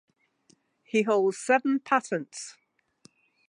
He holds seven patents.